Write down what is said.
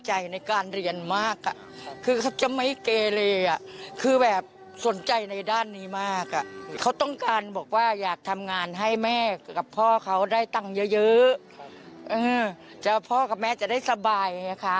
หรือจะพ่อกับแม่จะได้สบาย